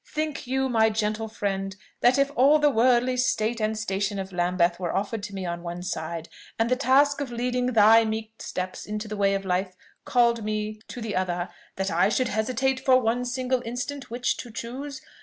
Think you, my gentle friend, that if all the worldly state and station of Lambeth were offered me on one side, and the task of leading thy meek steps into the way of life called me to the other, that I should hesitate for one single instant which to choose?